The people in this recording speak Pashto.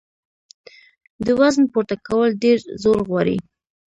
د وزن پورته کول ډېر زور غواړي.